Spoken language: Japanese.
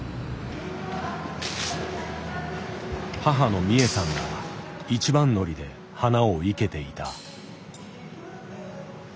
母の美枝さんが一番乗りで花を生けていた。